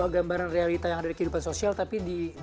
gambaran realita yang ada di kehidupan sosial tapi di